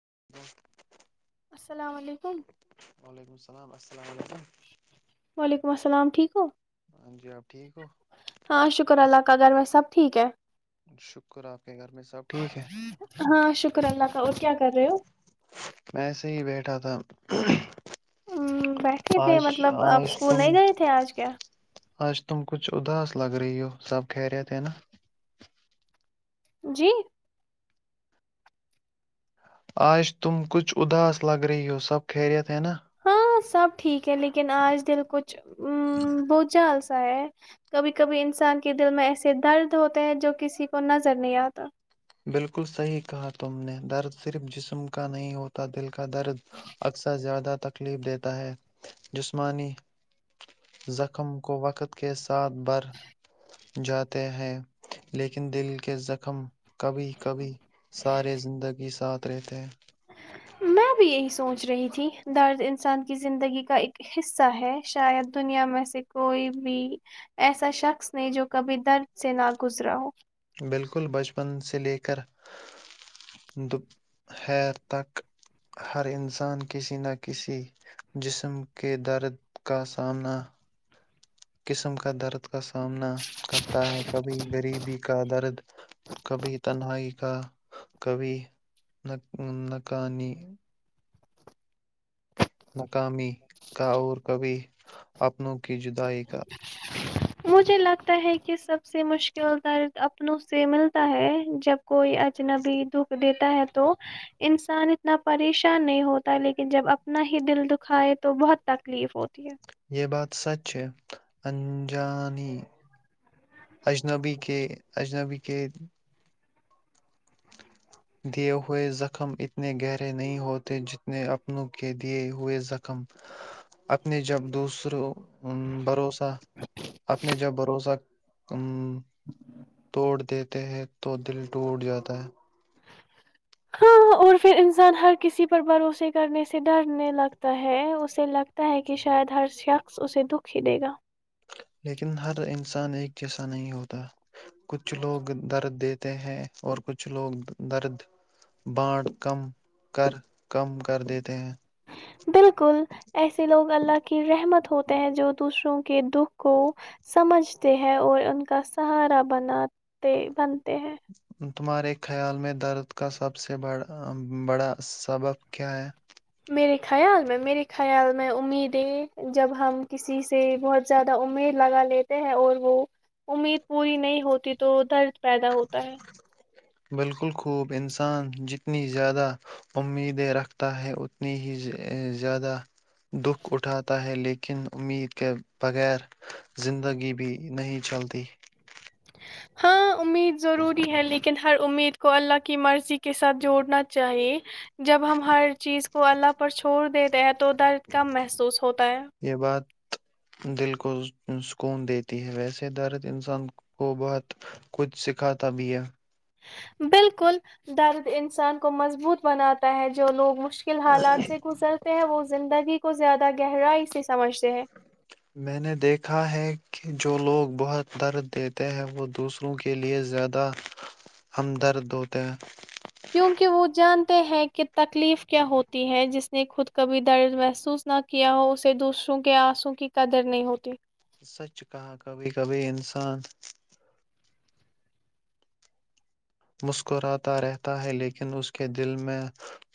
ج [unintelligible] السلام علیکم وعلیکم السلام السلام علیکم ویک ام السل ٹھیک ہو ہاں جی آپ ٹھیک ہو ہاں شکر اللہ کا گگر میں سب ٹھیک ہے شکرہ [unintelligible] ہاں شکر اللہ کا اور کیا کر رہے ہو ہ ام، بیٹھے [inaudible] تھے آج مطلب آپ آج اسکول تم نہیں گئے تھے آج کیا آج تم کچھ اداس لگ رہی ہو سب کہہ رہے تھے نا جی آج تم کچھ اداس لگ رہی ہو سب خریت ہے نا ہاں سب ٹھیک کہ لیکن آج دل کچھ بہت جال کبھی کبھی انسان کے دل میں ایسے درد ہوتے ہیں جو کسی کو نظر نہیں آتا بالکل صحیح کہا تم نے درد صرف جسم کا نہیں ہوتا دل کا درد اکثر زیادہ تکلیف دیتا ہے جسمانی زخم کو وقت کے ساتھ بڑھ جاتے ہیں لیکن دل کے زخم کبھی کبھی سارے زندگی ساتھ رہتے ہیں میں بھی یہی سوچ رہی تھی درد انسان کی زندگی کا ایک حصہ ہے شاید دنیا میں سے کوئی بھی ایسا شخص نے جو کبھی درد سے نہ گزرا ہو بالکل بچپن سے لے کر دوہر تک ہر انسان کسی نہ کسی جسم کے درد کا سامنا قسم کا درد کا سامنا کرتا ہے کبھی غریبی کا درد کبھی تنہائی کا کبھی نکانی کاامی کا اور کبھی اپنوں کی جدائی کا مجھے لگتا ہے کہ سب سے مشکل درد اپنوں سے ملتا ہے جب کوئی اجنبی دکھ دیتا ہے تو انسان اتنا پریشان نہیں ہوتا لیکن جب اپنا ہی دل دکھائے تو بہت تکلیف ہوتا یہ بات سچ ہے اجانی اجنبی کے اجنبی قید دیے ہوئے زخم اتنے گہرے نہیں ہوتے جتنے اپنوں کے دیے ہوئے زخم اپنے جب دوسروں ا بھروسہ اپنے جب بھروسہ ا توڑ دیتے ہیں تو دل ٹوٹ جاتا ہے ہاں اور پھر انسان ہر کسی پر بھروسے کرنے سے ڈرنے لگتا ہے اسے لگتا ہے کہ شاید ہر شخص اسے دکھ ہی دے گا لیکن ہر انسان ایک جیسا نہیں ہوتا کچھ لوگ درد دیتے ہیں اور کچھ لوگ درد بانڑ کم کر کم کر دیتے ہیں بالکل ایسے لوگ اللہ کی رحمت ہوتے ہیں جو دوسروں کے دکھ کو سمجھتے ہیں اور ان کا سہارا بناتے بن ہ تمہارے خیال میں درد کا سب سے ب بڑا سبب کیا ہے میرے خیال میں میرے خیال میں امیدیں جب ہم کسی سے بہت زیادہ امید لگا لیتے ہیں اور وہ امید پوری نہیں ہوتی تو درد پیدا ہوتا ہے بالکل خوب انسان جتنی زیادہ امیدیں رکھتا ہے اتنی ہی زیادہ دکھ اٹھاتا ہے لیکن امید کے بغیر زندگی بھی نہیں چلتی ہاں امید ضروری ہے لیکن ہر امید کو اللہ کی مرضی کے ساتھ جوڑنا چاہیے جب ہم ہر چیز کو اللہ پر چھوڑ دیتے ہیں تو تو درد کم محسوس ہوتا ہے یہ بات دل کو سکون دیتی ہے ویسے درد انسان کو بہت کچھ سکھاتا بھی ہے بالکل درد انسان کو مضبوط بناتا ہے جو لوگ م مشکل حالات سے گزرتے ہیں وہ زندگی کے ب زیادہ گہر ہے اس میں نے دیکھا ہے کہ جو لوگ بہت درد دیتے ہیں وہ دوسروں کے لیے زیادہ ہمدرد ہوتے ہیں کیونکہ وہ جانتے ہیں کہ تکلیف کیا ہوتی ہے جس نے خود کبھی درد محسوس نہ کیا ہو اسے دوسروں کے آنسوں کی قدر نہیں ہوتی سچ کہا کبھی کبھی انسان مسکراتا رہتا ہے لیکن اس کے دل میں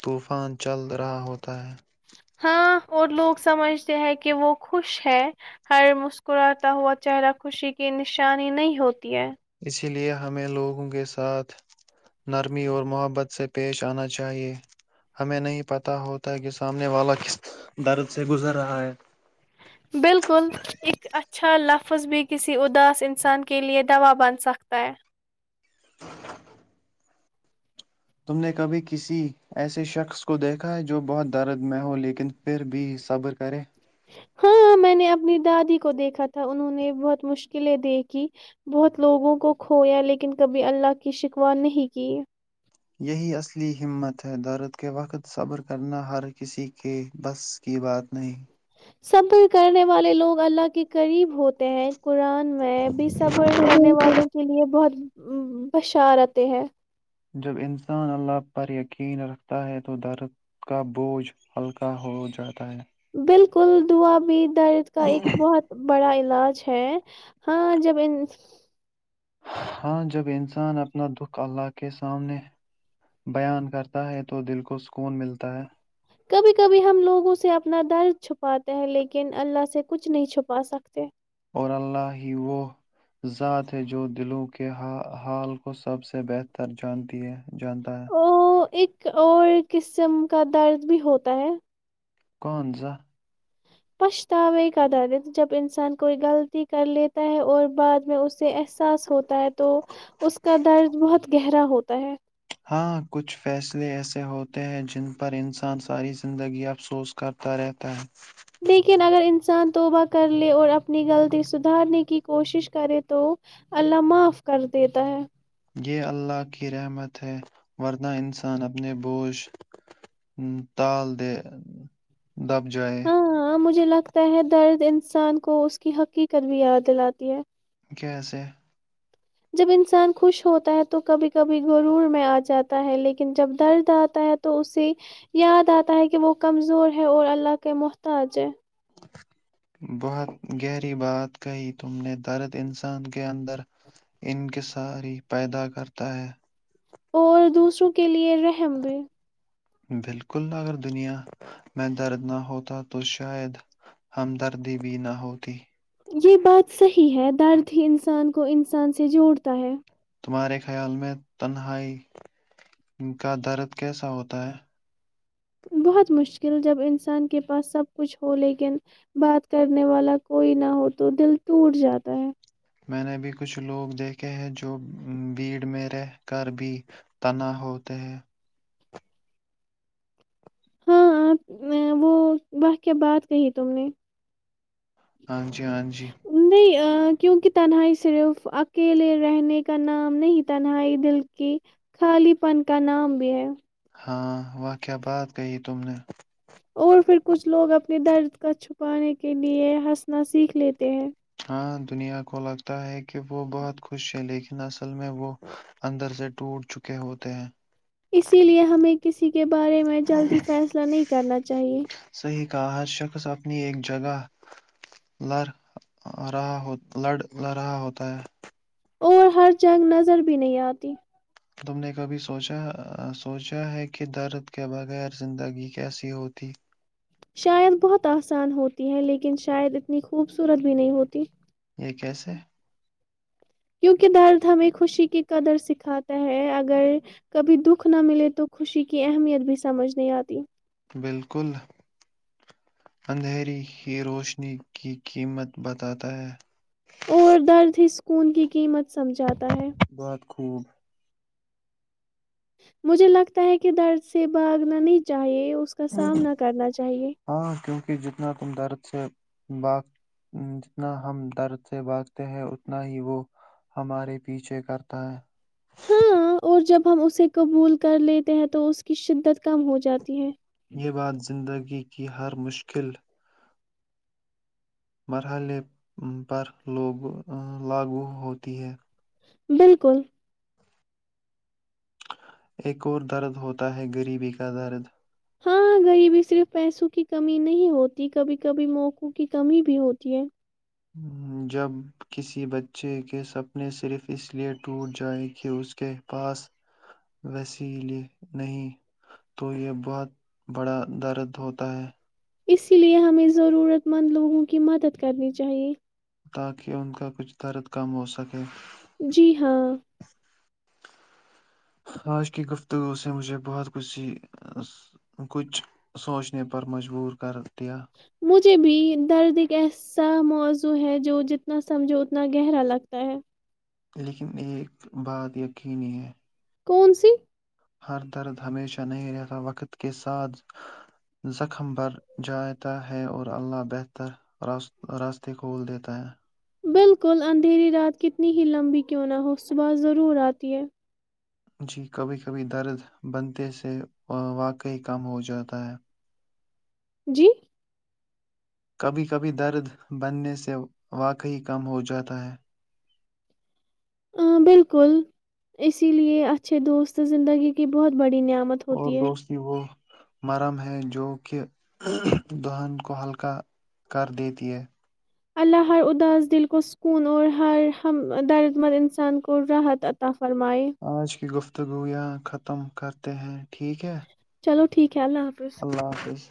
طوفان چل رہا ہوتا ہے [inaudible] اسی لے ہمیں لوگوں کے ساتھ نرمی اور محبت سے پیش آنا چاہیئے ہمیں نہیں پتہ ہوتا کہ سامنے والا کس درد سے گزر رہا ہے بالکل ایک اچھا لفظ بھی کسی اداس انسان کے لئے دوا بن سکتا ہے [inaudible] تم نے کبھی کسی ایسے شخص کو دیکھا ہے جو بہت دارد میں ہو لیکن پھر بھی صبر کرے ہاں میں نے اپنی دادی کو دیکھا تھا انہوں نے بہت مشکلیں دیکھی بہت لوگوں کو کھویا لیکن کبھی اللہ کی شکوا نہیں کی یہی اصلی ہمت ہے درد کے وقت صبر کرنا ہر کسی کے بس کی بات نہیں صبر کرنے والے لوگ اللہ کے قریب ہوتے ہیں قرآن میں بھی صبر کرنے نہیں والوں کے لیے بہت بشارتیں ہے جب انسان اللہ پر یقین رکھتا ہے تو درد کا بوجھ ہلکا ہو جاتا ہے بالکل دعا بھی درد کا ایک ہے بہت بڑا علاج ہے ہاں جب ان ہاں جب انسان اپنا دکھ اللہ کے سامنے بیان کرتا ہے تو دل کو سکون ملتا ہے کبھی کبھی ہم لوگوں سے اپنا درد چھپاتے ہیں لیکن اللہ سے کچھ نہیں چھپا سکتے اور اللہ ہی وہ ذات ہے جو دلوں کے حال کو سب سے بہتر جانتی ہے جانتا ہے او ایک اور قسم کا درد بھی ہوتا ہے کون سا پچھتاوے کا درد جب انسان کوئی غلطی کر لیتا ہے اور بعد میں اسے احساس ہوتا ہے تو اس کا درد بہت گہرا ہوتا ہے ہاں کچھ فیصلے ایسے ہوتے ہیں جن پر انسان ساری زندگی افسوس کرتا رہتا ہے لیکن اگر انسان توبہ کر لے اور اپنی غلطی سدھارنے کی کوشش کرے تو اللہ معاف کر دیتا ہے یہ اللہ کی رحمت ہے ورنہ انسان اپنے بوجھ تال دے دب جائے ہاں مجھے لگتا ہے درد انسان کو اس کی حقیقت بھی یاد دلاتی ہے کیسے جب انسان خوش ہوتا ہے تو کبھی کبھی گرور میں آ جاتا ہے لیکن جب درد آتا ہے تو تو اسے یاد آتا ہے کہ وہ کمزور ہے اور اللہ کے محتاج ہے بہت گہری بات کہی تم نے درد انسان کے اندر انکصاری پیدا کرتا ہے اور دوسروں کے لیے رحم بھی بالکل اگر دنیا میں درد نہ ہوتا تو شاید ہمدردی بھی نہ ہوتی یہ بات صحیح ہے درد ہی انسان کو انسان سے جوڑتا ہے تمہارے خیال میں تنہائی کا درد کیسا ہوتا ہے بہت مشکل جب انسان کے پاس سب کچھ ہو لیکن بات کرنے والا کوئی نہ ہو تو دل ٹوٹ جاتا ہے میں نے بھی کچھ لوگ دیکھے ہیں جو بھیڑ میں رہ کر بھی تنہا ہوتے ہیں ہاں وہ واہ کیا بات کہی تم نے ہاں جی ہاں جی نہیں کیونکہ تنہائی صرف اکیلے رہنے کا نام نہیں تنہائی دل کی خالی پن کا نام بھی ہے ہاں وہاہ کیا بات کہی تم نے اور پھر کچھ لوگ اپنے درد کو چھپانے کے لیے ہنسنا سیکھ لیتے ہیں ہاں دنیا کو لگتا ہے کہ کہ وہ بہت خوش ہیں لیکن اصل میں وہ اندر سے ٹوٹ چکے ہوتے ہیں اسی لیے ہمیں کسی کے بارے میں جلدی فیصلہ نہیں کرنا چاہیے صحیح کہا ہر شخص اپنی ایک جگہ لڑ رہا ہوتا ہے اور ہر جنگ نظر بھی نہیں آتی تم نے کبھی سوچا سوچا ہے کہ درد کے بغیر زندگی کیسی ہوتی شاید بہت آسان ہوتی ہے لیکن شاید اتنی خوبصورت بھی نہیں ہوتی یہ کیسے کیونکہ درد ہمیں خوشی کی قدر سکھاتا ہے اگر کبھی دکھ نہ ملے تو خوشی کی اہمیت بھی سمجھ نہیں آتی بالکل اندھیری ہی روشنی کی قیمت بتاتا ہے اور درد ہی سکون کی قیمت سمجھاتا ہے بہت خوب مجھے لگتا ہے کہ درد سے بھاگنا نہیں چاہیے اس کا سامنا کرنا چاہیے کہ جتنا تم درد سے باگ جتنا ہم درد سے باگتے ہیں اتنا ہی وہ ہمارے پیچھے کرتا ہے ہاں اور جب ہم اسے قبول کر لیتے ہیں تو اس کی شدت کم ہو جاتی ہے یہ بات زندگی کہ ہر مشکل مرحلے پروگ لاگو ہوتی ہے بالکل ایک اور درد ہوتا ہے غریبی کا درد ہاں ہاں غریبی صرف پیسوں کی کمی نہیں ہوتی کبھی کبھی موقعوں کی کمی بھی ہوتی ہے جب کسی بچے کے سپنے صرف اس لیئے ٹوٹ جائے کہ اس کے پاس وسیل نہیں تو یہ بہت بڑا درد ہوتا ہے اسی لیے ہمیں ضرورت مند لوگوں کی مدد کرنی چاہیے تاکہ ان کا کچھ درد کم ہو سکے جی ہاں آج کی گفتگو سے مجھے بہت کچھ سی کچھ سوچنے پر مجبور کر دیا مجھے بھی درد ایس سا موضوع ہے جو جتنا سمجھو اتنا گہرا لگتا ہے لیکن ایک بات یقینی ہے کون سی ہر درد ہمیشہ نہیں رہتا وقت کے ساتھ زخم بھر جاتا ہے اور اللہ بہترا راستے کھول دیتا ہے بالکل اندھیری رات کتنی ہی لمبی کیوں نہ ہو صبح ضرور آتی ہے جی کبھی کبھی درد بنتے سے واقعی کم ہو جاتا ہے جی کبھی کبھی درد بننے سے واقعی کم ہوجاتا ہے ہ بالکل اسی لیے اچھے دوست زندگی کی بہت بڑی نعمت اور ہوتی ہے دوستی وہ مرم ہے جو کہ دلہن کو ہلکا کر دیتی ہے اللہ ہر اداس دل کو سکون اور ہر ہم درد مند انسان کو راحت عطا فرمائے آج کی گفت گویاں ختم کرتے ہیں ٹھیک ہے چلو ٹھیک ہے اللہ حافظ اللہ حافظ